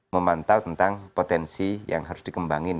memantau tentang potensi yang harus dikembangin